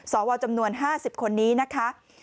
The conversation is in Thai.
สวจำนวน๕๐คนนี้นะคะ